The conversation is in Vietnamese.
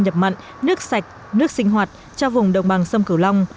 nhập mặn nước sạch nước sinh hoạt cho vùng đồng bằng sông cửu long